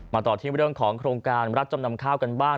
มาต่อทีเวลาของโครงการรับจำนำค้าวกันบ้าง